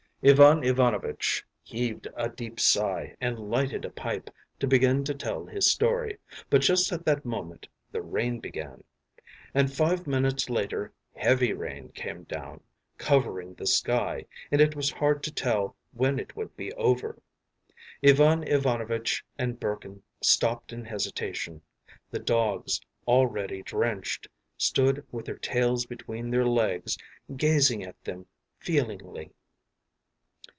” Ivan Ivanovitch heaved a deep sigh and lighted a pipe to begin to tell his story, but just at that moment the rain began. And five minutes later heavy rain came down, covering the sky, and it was hard to tell when it would be over. Ivan Ivanovitch and Burkin stopped in hesitation; the dogs, already drenched, stood with their tails between their legs gazing at them feelingly.